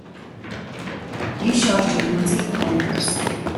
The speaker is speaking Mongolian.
Ийшээ орж ирмэгц л түүнийг харсан.